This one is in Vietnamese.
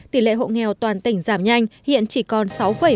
tỷ lệ hộ nghèo toàn tỉnh giảm nhanh hiện chỉ còn sáu một mươi bốn